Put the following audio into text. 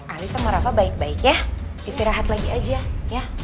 ali sama rafa baik baik ya istirahat lagi aja ya